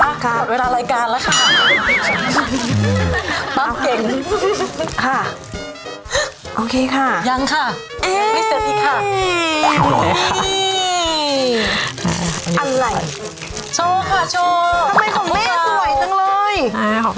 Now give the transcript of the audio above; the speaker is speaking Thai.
โอเคค่ะยังค่ะยังไม่เสร็จอีกค่ะ